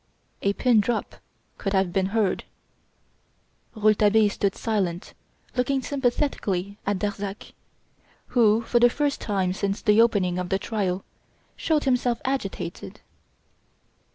A pin drop could have been heard. Rouletabille stood silent looking sympathetically at Darzac, who, for the first time since the opening of the trial, showed himself agitated.